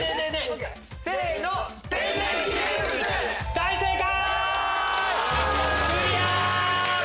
大正解！